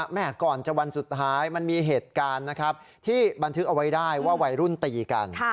แม่ก่อนจะวันสุดท้ายมันมีเหตุการณ์นะครับที่บันทึกเอาไว้ได้ว่าวัยรุ่นตีกัน